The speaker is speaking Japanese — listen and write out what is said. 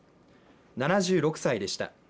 ７６歳でした。